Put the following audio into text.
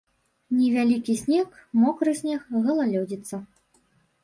Невялікі снег, мокры снег, галалёдзіца.